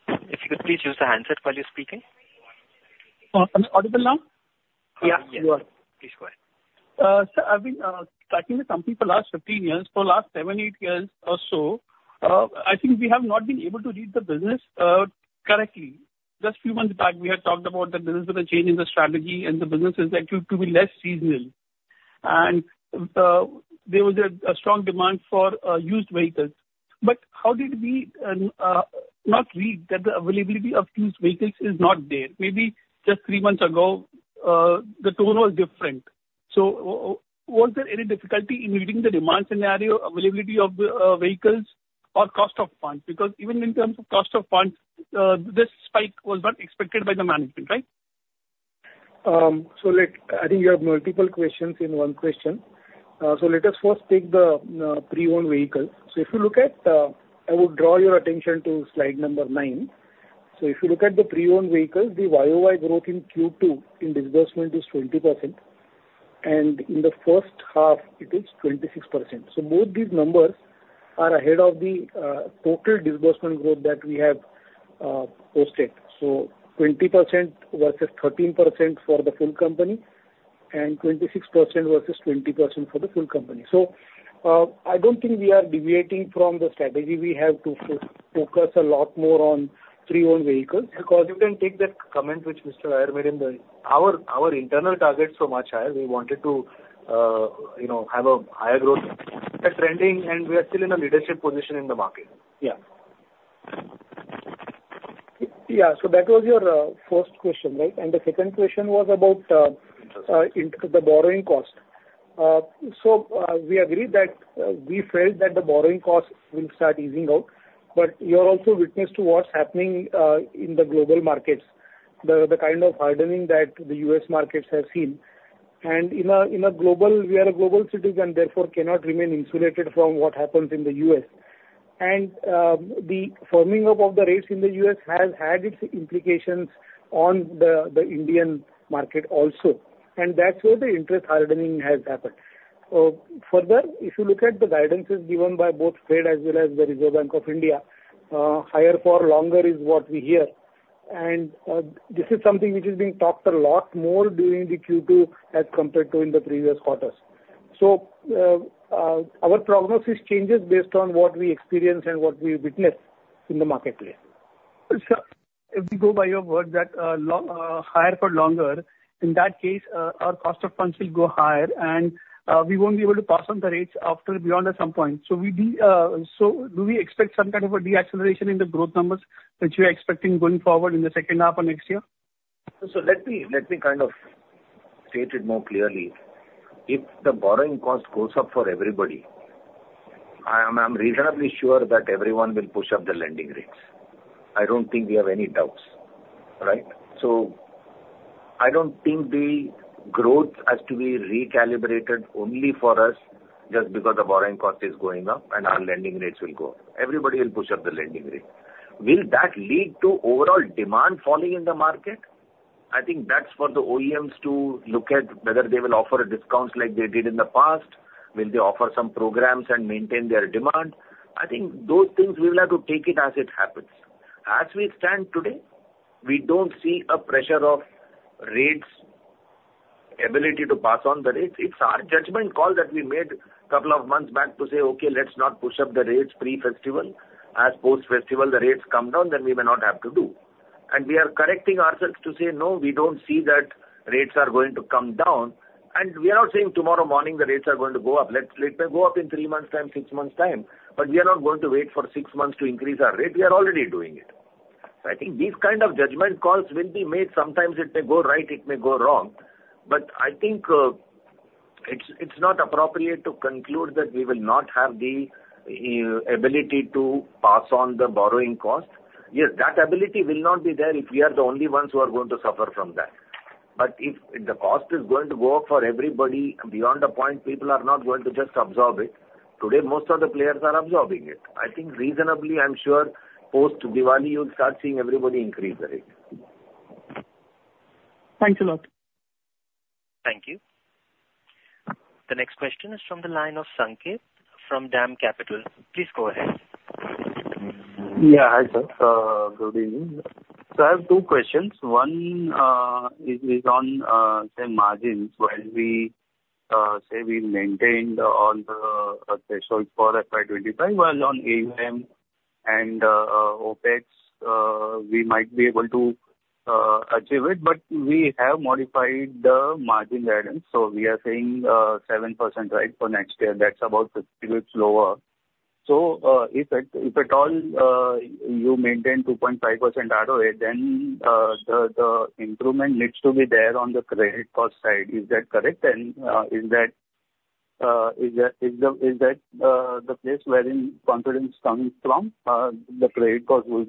If you could please use the handset while you're speaking. I'm audible now? Yeah, you are. Please go ahead. So I've been tracking the company for last 15 years. For last seven, eight years or so, I think we have not been able to read the business correctly. Just few months back, we had talked about the business with a change in the strategy and the business is actually to be less seasonal. And there was a strong demand for used vehicles. But how did we not read that the availability of used vehicles is not there? Maybe just three months ago, the tone was different. So was there any difficulty in reading the demand scenario, availability of the vehicles, or cost of funds? Because even in terms of cost of funds, this spike was not expected by the management, right? I think you have multiple questions in one question. So let us first take the pre-owned vehicle. So if you look at, I would draw your attention to slide number nine. So if you look at the pre-owned vehicles, the YoY growth in Q2 in disbursement is 20%, and in the first half it is 26%. So both these numbers are ahead of the total disbursement growth that we have posted. So 20% versus 13% for the full company, and 26% versus 20% for the full company. So I don't think we are deviating from the strategy. We have to focus a lot more on pre-owned vehicles. Because you can take that comment which Mr. Iyer made in the... Our internal targets are much higher. We wanted to, you know, have a higher growth. We are trending, and we are still in a leadership position in the market. Yeah. Yeah. So that was your first question, right? And the second question was about- Interest. The borrowing cost. So, we agreed that we felt that the borrowing cost will start easing out, but you are also witness to what's happening in the global markets, the kind of hardening that the U.S. markets have seen. And in a global—we are a global citizen, therefore cannot remain insulated from what happens in the U.S. And the firming up of the rates in the U.S. has had its implications on the Indian market also, and that's where the interest hardening has happened. Further, if you look at the guidances given by both Fed as well as the Reserve Bank of India, higher for longer is what we hear. And this is something which is being talked a lot more during the Q2 as compared to in the previous quarters. Our prognosis changes based on what we experience and what we witness in the marketplace. Sir, if we go by your word, that higher for longer, in that case, our cost of funds will go higher and we won't be able to pass on the rates after beyond at some point. So, do we expect some kind of a deceleration in the growth numbers, which you are expecting going forward in the second half of next year? So let me kind of state it more clearly. If the borrowing cost goes up for everybody, I'm reasonably sure that everyone will push up the lending rates. I don't think we have any doubts, right? So I don't think the growth has to be recalibrated only for us, just because the borrowing cost is going up and our lending rates will go up. Everybody will push up the lending rate. Will that lead to overall demand falling in the market? I think that's for the OEMs to look at, whether they will offer a discount like they did in the past. Will they offer some programs and maintain their demand? I think those things we will have to take it as it happens. As we stand today, we don't see a pressure of rates, ability to pass on the rates. It's our judgment call that we made a couple of months back to say, "Okay, let's not push up the rates pre-festival. As post-festival, the rates come down, then we may not have to do." And we are correcting ourselves to say, "No, we don't see that rates are going to come down." And we are not saying tomorrow morning the rates are going to go up. It may go up in three months time, six months time, but we are not going to wait for six months to increase our rate. We are already doing it. So I think these kind of judgment calls will be made. Sometimes it may go right, it may go wrong, but I think it's not appropriate to conclude that we will not have the ability to pass on the borrowing cost. Yes, that ability will not be there if we are the only ones who are going to suffer from that. But if, if the cost is going to go up for everybody, beyond a point, people are not going to just absorb it. Today, most of the players are absorbing it. I think reasonably, I'm sure post Diwali, you'll start seeing everybody increase the rate. Thanks a lot. Thank you. The next question is from the line of Sanket from DAM Capital. Please go ahead. Yeah. Hi, sir, good evening. So I have two questions. One is on, say, margins. While we say we maintained on the threshold for FY 2025, while on AUM and OPEX we might be able to achieve it, but we have modified the margin guidance, so we are saying 7%, right, for next year, that's about 50 basis points lower. So if at all you maintain 2.5% ROA, then the improvement needs to be there on the credit cost side. Is that correct? And is that the place wherein confidence comes from, the credit cost will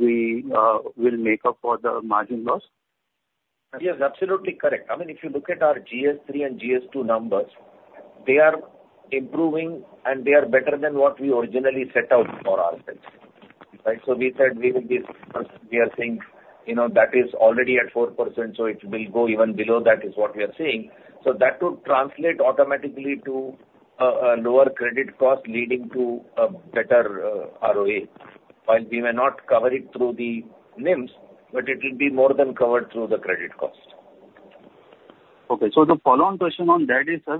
make up for the margin loss? Yes, absolutely correct. I mean, if you look at our GS3 and GS2 numbers, they are improving and they are better than what we originally set out for ourselves, right? So we said we will be, we are seeing, you know, that is already at 4%, so it will go even below that, is what we are seeing. So that would translate automatically to a lower credit cost, leading to a better ROA. While we may not cover it through the NIMS, but it will be more than covered through the credit cost. Okay. So the follow-on question on that is, sir,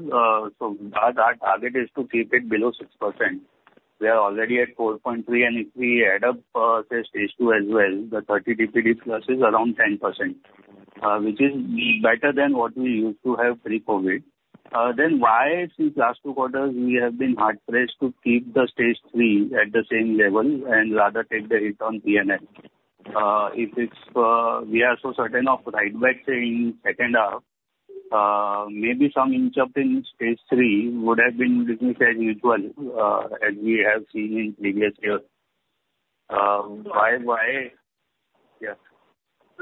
so that target is to keep it below 6%. We are already at 4.3, and if we add up, say, Stage two as well, the 30 DPD+ is around 10%, which is better than what we used to have pre-COVID. Then why, since last two quarters, we have been hard pressed to keep the Stage three at the same level and rather take the hit on PNL? If it's, we are so certain of write-back saying second half, maybe some inch up in Stage three would have been business as usual, as we have seen in previous years. Why, why? Yeah.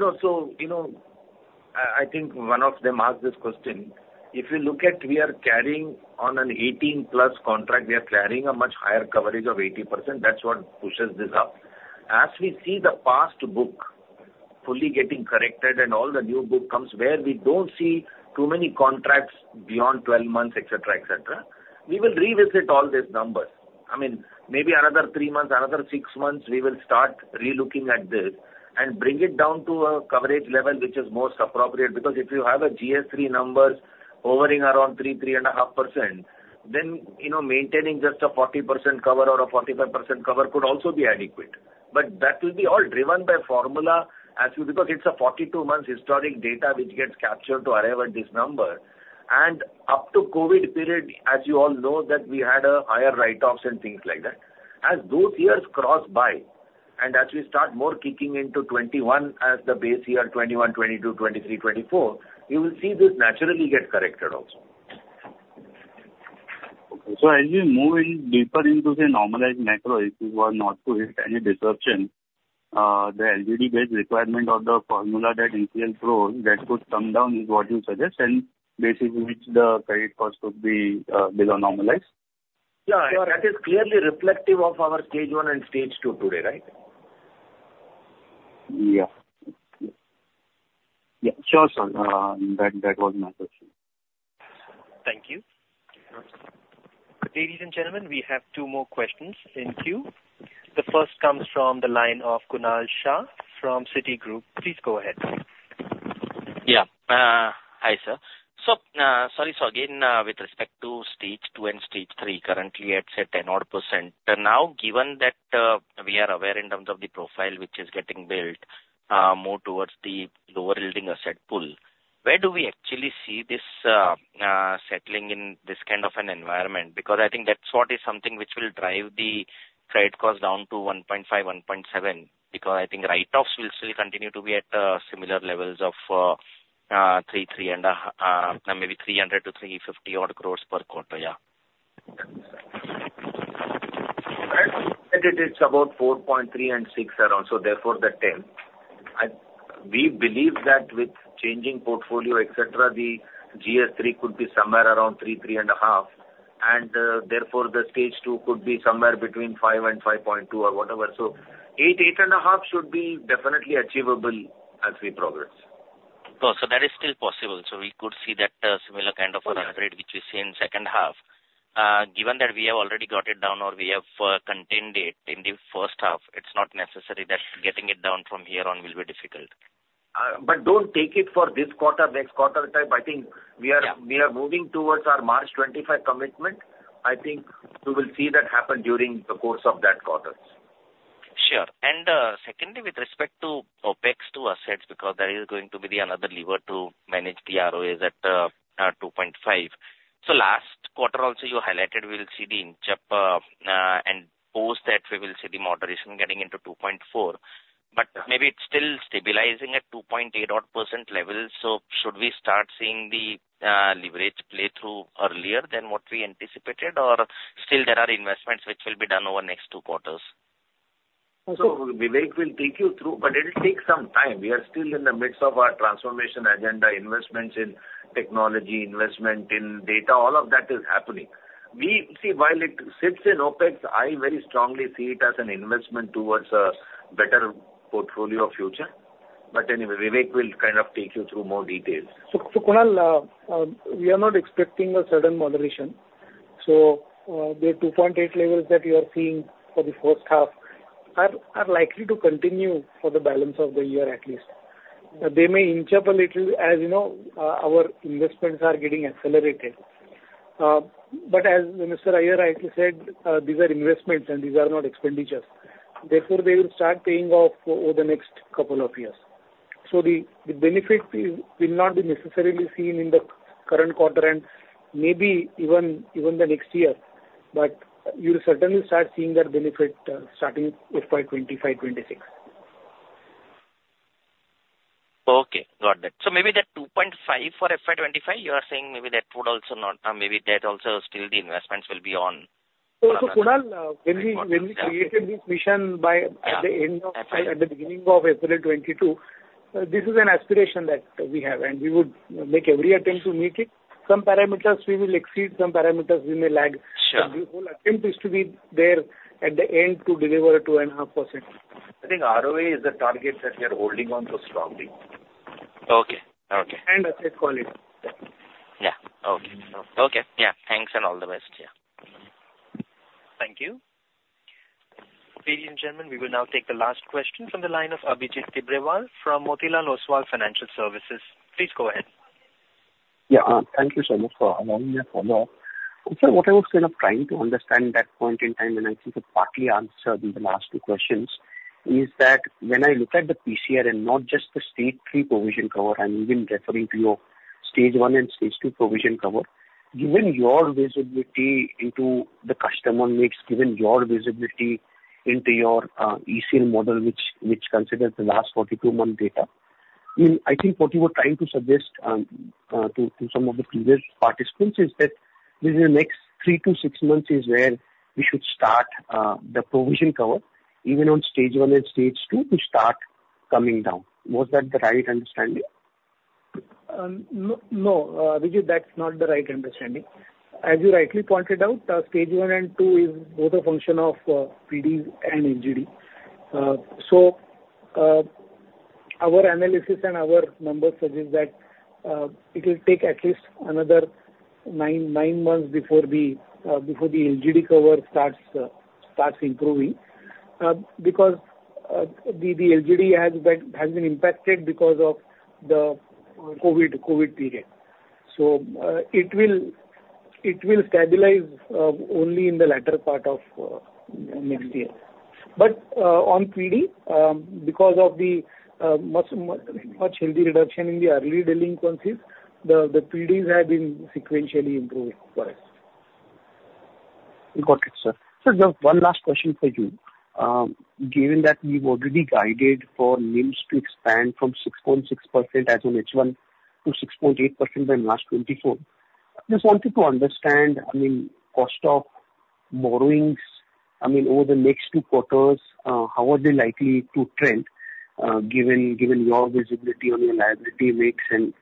No, so, you know, I think one of them asked this question. If you look at we are carrying on an 18-plus contract, we are carrying a much higher coverage of 80%. That's what pushes this up. As we see the past book fully getting corrected and all the new book comes where we don't see too many contracts beyond 12 months, et cetera, et cetera, we will revisit all these numbers. I mean, maybe another three months, another six months, we will start relooking at this and bring it down to a coverage level which is most appropriate. Because if you have a GS3 numbers hovering around 3%-3.5%, then, you know, maintaining just a 40% cover or a 45% cover could also be adequate. But that will be all driven by formula, as you know, because it's a 42-month historical data which gets captured to arrive at this number. Up to COVID period, as you all know, that we had higher write-offs and things like that. As those years pass by, and as we start more kicking into 2021 as the base year, 2021, 2022, 2023, 2024, you will see this naturally get corrected also. Okay. So as we move in deeper into the normalized macro, if you are not to hit any disruption, the LGD base requirement of the formula that NPL throws, that could come down, is what you suggest, and this is which the credit cost could be below normalized? Yeah, that is clearly reflective of our stage one and stage two today, right? Yeah. Yeah, sure, sir, that was my question. Thank you. Ladies and gentlemen, we have two more questions in queue. The first comes from the line of Kunal Shah from Citigroup. Please go ahead. Yeah. Hi, sir. Sorry, again, with respect to stage two and stage three, currently at, say, 10% odd. Now, given that we are aware in terms of the profile which is getting built, more towards the lower yielding asset pool, where do we actually see this settling in this kind of an environment? I think that's what is something which will drive the credit cost down to 1.5%-1.7%, because I think write-offs will still continue to be at similar levels of 300-350 odd INR crore per quarter. Yeah. It is about 4.3 and 6 around, so therefore the 10. We believe that with changing portfolio, et cetera, the GS3 could be somewhere around 3%-3.5%, and therefore, the Stage 2 could be somewhere between 5 and 5.2 or whatever. So 8%-8.5% should be definitely achievable as we progress. So that is still possible. So we could see that, similar kind of an upgrade- Yes. -which we see in second half. Given that we have already got it down or we have contained it in the first half, it's not necessary that getting it down from here on will be difficult. But don't take it for this quarter, next quarter type. I think we are- Yeah. We are moving towards our March 2025 commitment. I think we will see that happen during the course of that quarters. Sure. And, secondly, with respect to OpEx to assets, because that is going to be the another lever to manage the ROAs at 2.5%. So last quarter also, you highlighted we will see the inch up, and post that, we will see the moderation getting into 2.4%. But maybe it's still stabilizing at 2.8 odd% level, so should we start seeing the leverage play through earlier than what we anticipated? Or still there are investments which will be done over the next two quarters? So Vivek will take you through, but it'll take some time. We are still in the midst of our transformation agenda, investments in technology, investment in data, all of that is happening. We... See, while it sits in OpEx, I very strongly see it as an investment towards a better portfolio future. But anyway, Vivek will kind of take you through more details. So, Kunal, we are not expecting a sudden moderation. So, the 2.8 levels that you are seeing for the first half are likely to continue for the balance of the year, at least. They may inch up a little, as you know, our investments are getting accelerated. But as Mr. Iyer rightly said, these are investments and these are not expenditures. Therefore, they will start paying off over the next couple of years. So the benefit will not be necessarily seen in the current quarter and maybe even the next year, but you'll certainly start seeing that benefit, starting FY 2025, 2026. Okay, got that. So maybe that 2.5% for FY 2025, you are saying maybe that would also not, maybe that also still the investments will be on? So, Kunal, when we created this mission by at the beginning of April 2022, this is an aspiration that we have, and we would make every attempt to meet it. Some parameters we will exceed, some parameters we may lag. Sure. The whole attempt is to be there at the end to deliver a 2.5%. I think ROA is the target that we are holding on to strongly. Okay. Okay. Asset quality. Yeah, okay. Okay, yeah. Thanks and all the best. Yeah. Thank you. Ladies and gentlemen, we will now take the last question from the line of Abhijit Tibrewal from Motilal Oswal Financial Services. Please go ahead. Yeah, thank you so much for allowing me to follow up. So what I was kind of trying to understand that point in time, and I think it partly answered in the last two questions, is that when I look at the PCR and not just the stage three provision cover, I'm even referring to your stage one and stage two provision cover. Given your visibility into the customer mix, given your visibility into your ECL model, which, which considers the last 42-month data, in, I think what you were trying to suggest to some of the previous participants, is that within the next 3-6 months is where we should start the provision cover, even on stage one and stage two, to start coming down. Was that the right understanding? No, no, Abhijit, that's not the right understanding. As you rightly pointed out, stage one and two is both a function of PDs and LGD. So, our analysis and our numbers suggest that it will take at least another nine months before the LGD cover starts improving, because the LGD has been impacted because of the COVID period. So, it will stabilize only in the latter part of next year. But on PD, because of the much healthy reduction in the early delinquencies, the PDs have been sequentially improving for us. Got it, sir. Sir, just one last question for you. Given that we've already guided for NIMs to expand from 6.6% as on H1 to 6.8% by March 2024, I just wanted to understand, I mean, cost of borrowings, I mean, over the next two quarters, how are they likely to trend, given your visibility on your liability mix and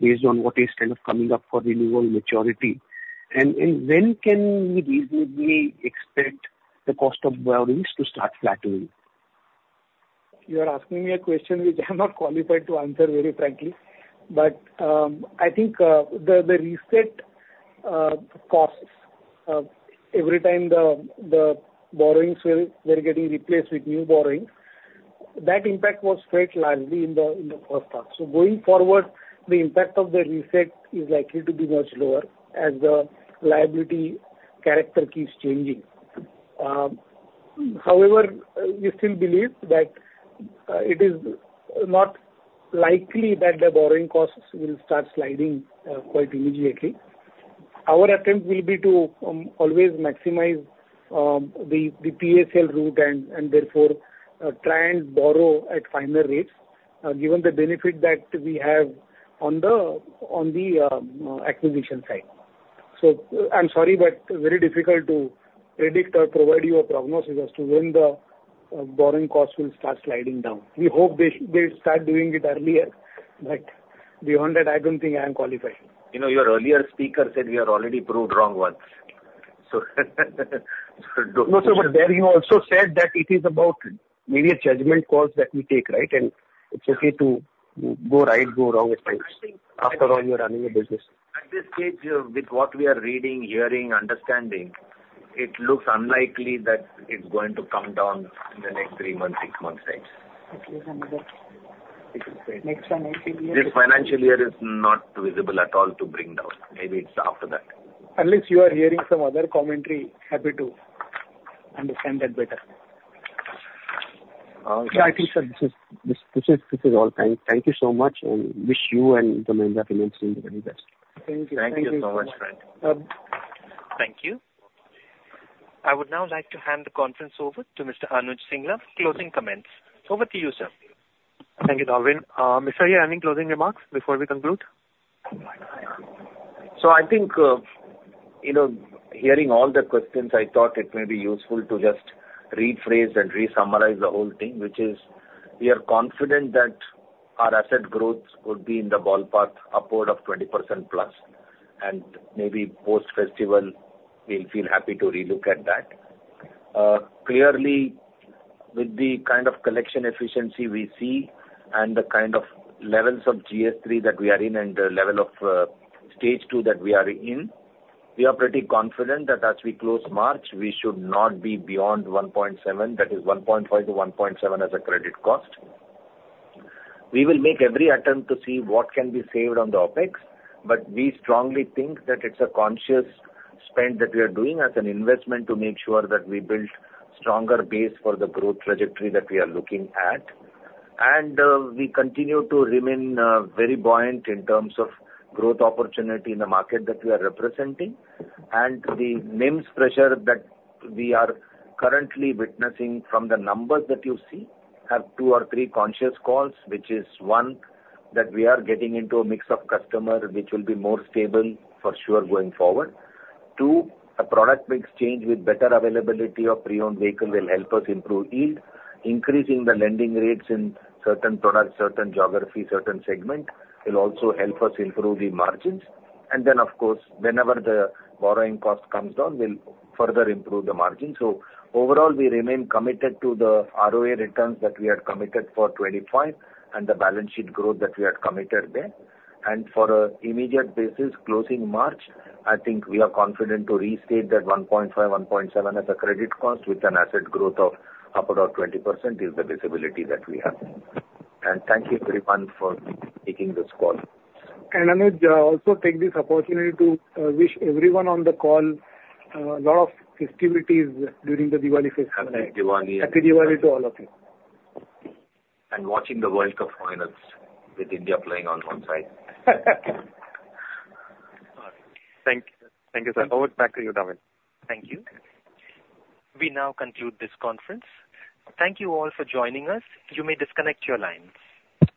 based on what is kind of coming up for renewal maturity? And when can we reasonably expect the cost of borrowings to start flattening? You are asking me a question which I'm not qualified to answer, very frankly. But, I think, the reset costs every time the borrowings were getting replaced with new borrowings, that impact was quite large in the first half. So going forward, the impact of the reset is likely to be much lower as the liability character keeps changing. However, we still believe that it is not likely that the borrowing costs will start sliding quite immediately. Our attempt will be to always maximize the PSL route and therefore try and borrow at finer rates given the benefit that we have on the acquisition side. So, I'm sorry, but very difficult to predict or provide you a prognosis as to when the borrowing costs will start sliding down. We hope they'll start doing it earlier, but beyond that, I don't think I am qualified. You know, your earlier speaker said we are already proved wrong once. So No, sir, but there you also said that it is about maybe a judgment call that we take, right? And it's okay to go right, go wrong at times. After all, you are running a business. At this stage, with what we are reading, hearing, understanding, it looks unlikely that it's going to come down in the next three months, six months time. At least another... next financial year. This financial year is not visible at all to bring down. Maybe it's after that. Unless you are hearing some other commentary, happy to understand that better. I think, sir, this is all. Thank you so much, and wish you and the Mahindra Finance team the very best. Thank you. Thank you so much, friend. Thank you. I would now like to hand the conference over to Mr. Anuj Singla for closing comments. Over to you, sir. Thank you, Darwin. Mr. Anuj, any closing remarks before we conclude? So I think, you know, hearing all the questions, I thought it may be useful to just rephrase and re-summarize the whole thing, which is: We are confident that our asset growth would be in the ballpark upward of 20%+, and maybe post-festival, we'll feel happy to relook at that. Clearly, with the kind of collection efficiency we see and the kind of levels of GS3 that we are in, and the level of Stage 2 that we are in, we are pretty confident that as we close March, we should not be beyond 1.7%, that is 1.5%-1.7% as a credit cost. We will make every attempt to see what can be saved on the OpEx, but we strongly think that it's a conscious spend that we are doing as an investment to make sure that we build stronger base for the growth trajectory that we are looking at. And, we continue to remain, very buoyant in terms of growth opportunity in the market that we are representing. And the NIMs pressure that we are currently witnessing from the numbers that you see, have two or three conscious calls, which is, one, that we are getting into a mix of customer, which will be more stable for sure going forward. Two, a product mix change with better availability of pre-owned vehicles will help us improve yield. Increasing the lending rates in certain products, certain geographies, certain segment, will also help us improve the margins. And then, of course, whenever the borrowing cost comes down, we'll further improve the margin. So overall, we remain committed to the ROA returns that we had committed for 25 and the balance sheet growth that we had committed there. And for an immediate basis, closing March, I think we are confident to restate that 1.5%, 1.7% as a credit cost with an asset growth of upward of 20% is the visibility that we have. And thank you, everyone, for taking this call. Anuj, I also take this opportunity to wish everyone on the call a lot of festivities during the Diwali festival. Happy Diwali. Happy Diwali to all of you. Watching the World Cup finals with India playing on one side. Thank you. Thank you, sir. Over back to you, Darwin. Thank you. We now conclude this conference. Thank you all for joining us. You may disconnect your lines.